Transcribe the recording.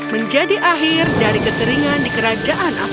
menjadi akhir dari keteringan di kerajaan avesnes